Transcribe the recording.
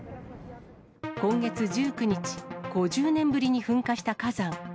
今月１９日、５０年ぶりに噴火した火山。